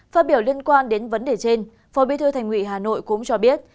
phát biểu liên quan đến vấn đề trên phó bí thư thành ủy hà nội cũng cho biết